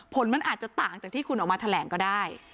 ผลมันอาจจะต่างจากที่คุณออกมาแถลงก็ได้